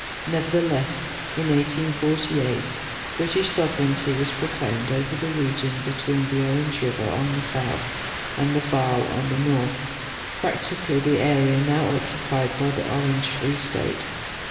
Nevertheless, in 1848; British sovereignty was proclaimed over the region between the Orange river on the south and the Vaal on the north, practically the area now occupied by the Orange Free State.